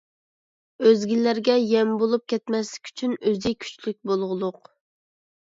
ئۆزگىلەرگە يەم بولۇپ كەتمەسلىك ئۈچۈن ئۆزى كۈچلۈك بولغۇلۇق.